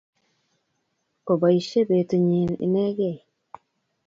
Kopoishe petu nyi inegei